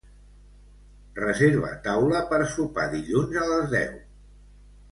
Reserva taula per sopar dilluns a les deu.